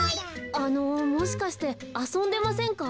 あのもしかしてあそんでませんか？